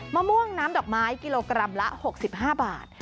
มะม่วงน้ำดอกไม้กิโลกรัมละ๖๕บาท